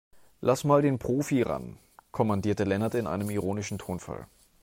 Lass mal den Profi ran, kommandierte Lennart in einem ironischen Tonfall.